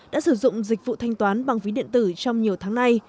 đã sử dụng dịch vụ thanh toán bằng ví điện tử trong nhiều tháng nay